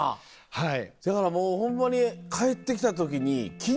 はい。